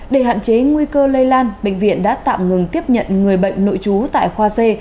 để hạn chế nguy cơ lây lan bệnh viện đã tạm ngừng tiếp nhận người bệnh nội trú tại khoa c